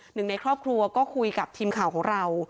หนึ่งในครอบครัวก็คุยกับทีมข่าวของเรา